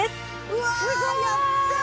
うわやったあ！